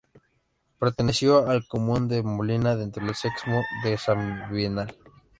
Perteneció al Común de Molina dentro del sexmo de Sabinar.